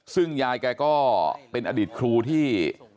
ซึ่งยายแกก็เป็นอดีตครูที่